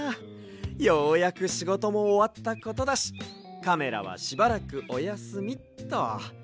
ようやくしごともおわったことだしカメラはしばらくおやすみっと。